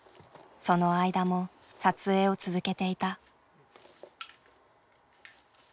その間も撮影を続けていた。